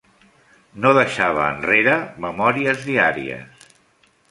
No deixava enrere memòries diàries.